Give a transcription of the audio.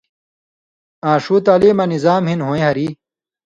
آں ݜُو تعلیماں نظام ہِن ہُویں ہریۡ